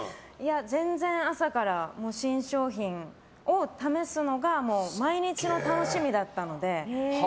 全然、朝から新商品を試すのが毎日の楽しみだったので。